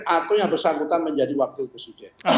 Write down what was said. atau yang bersangkutan menjadi wakil presiden